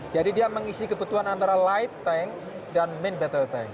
jadi dia mengisi kebutuhan antara light tank dan main battle tank